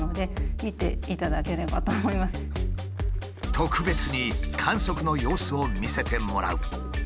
特別に観測の様子を見せてもらう。